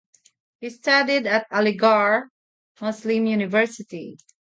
He studied at Aligarh Muslim University.